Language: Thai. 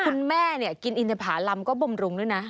คุณแม่เนี่ยกินอินทภารำก็บำรุงด้วยนะ